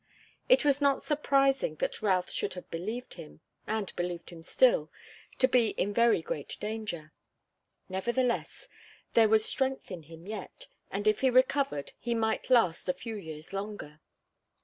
It was not surprising that Routh should have believed him, and believed him still, to be in very great danger. Nevertheless, there was strength in him yet, and if he recovered he might last a few years longer.